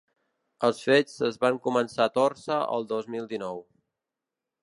Els fets es van començar a tòrcer el dos mil dinou.